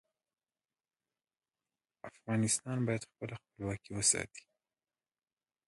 افغانستان باید خپله خپلواکي وساتي.